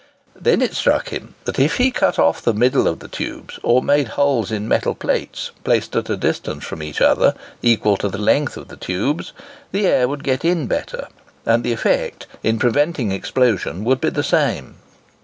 Then it struck him, that if he cut off the middle of the tubes, or made holes in metal plates, placed at a distance from each other, equal to the length of the tubes, the air would get in better, and the effect in preventing explosion would be the same.